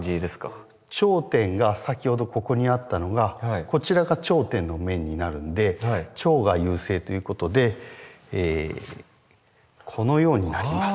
頂点が先ほどここにあったのがこちらが頂点の面になるんで頂芽優勢ということでこのようになります。